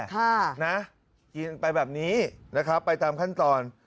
ค่ะนะกินไปแบบนี้นะครับไปตามขั้นตอน